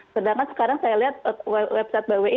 sedangkan sekarang saya lihat website bwi